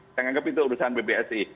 saya anggap itu urusan bbsi